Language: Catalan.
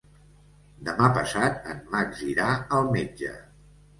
Demà passat en Max irà al metge.